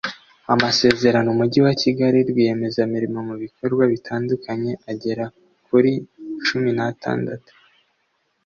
amasezerano Umujyi wa Kigali Rwiyemezamirimo mu bikorwa bitandukanye agera kuri cumi n atandatu